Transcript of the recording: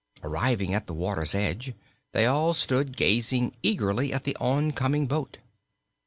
Arriving at the water's edge, they all stood gazing eagerly at the oncoming boat.